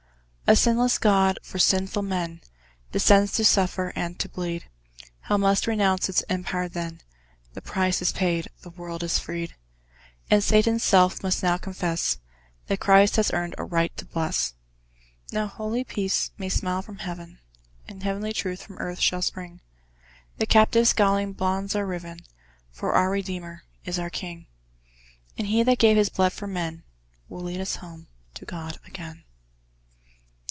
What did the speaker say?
A sinless God, for sinful men, Descends to suffer and to bleed; Hell MUST renounce its empire then; The price is paid, the world is freed, And Satan's self must now confess That Christ has earned a RIGHT to bless: Now holy Peace may smile from heaven, And heavenly Truth from earth shall spring: The captive's galling bonds are riven, For our Redeemer is our king; And He that gave his blood for men Will lead us home to God again.